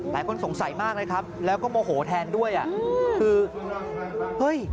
หลายคนสงสัยมากเลยครับแล้วก็โมโหแทนด้วยอ่ะคือเฮ้ย